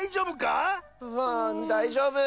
ううんだいじょうぶ。